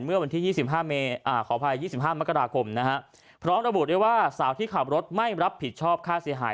เมื่อวันที่๒ขออภัย๒๕มกราคมนะฮะพร้อมระบุด้วยว่าสาวที่ขับรถไม่รับผิดชอบค่าเสียหาย